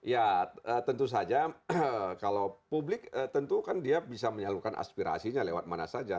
ya tentu saja kalau publik tentu kan dia bisa menyalurkan aspirasinya lewat mana saja